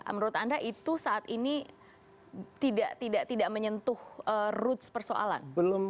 menurut anda itu saat ini tidak menyentuh roots persoalan